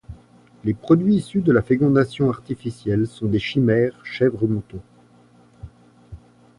Les produits issus de la fécondation artificielle sont des chimères chèvre-mouton.